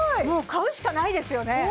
もう買うしかないですよね